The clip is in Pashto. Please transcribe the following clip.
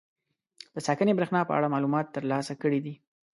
د ساکنې برېښنا په اړه معلومات تر لاسه کړي دي.